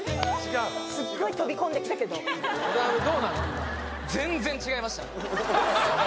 すっごい飛び込んできたけど渡辺どうなの？